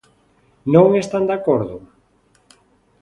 ¿Non están de acordo?